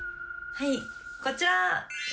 はいこちら！